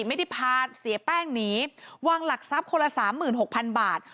ไม่ได้พาเสียแป้งหนีวางหลักทรัพย์คนละ๓๖๐๐๐บาท